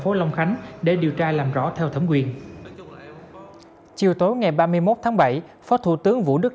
phố long khánh để điều tra làm rõ theo thẩm quyền chiều tối ngày ba mươi một tháng bảy phó thủ tướng vũ đức